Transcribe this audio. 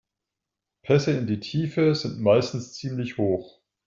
Pässe in die Tiefe sind meistens ziemlich hoch.